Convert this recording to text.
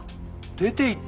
出ていった？